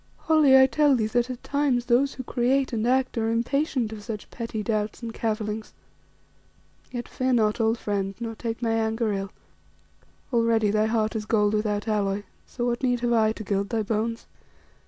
Holly, I tell thee that at times those who create and act are impatient of such petty doubts and cavillings. Yet fear not, old friend, nor take my anger ill. Already thy heart is gold without alloy, so what need have I to gild thy bones?"